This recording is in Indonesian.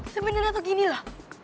sebenarnya tuh ginilah